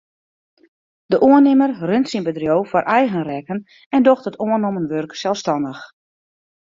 De oannimmer runt syn bedriuw foar eigen rekken en docht it oannommen wurk selsstannich.